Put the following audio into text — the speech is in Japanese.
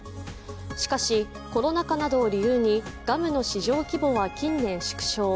しかし、コロナ禍などを理由にガムの市場規模は近年縮小。